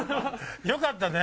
よかったね。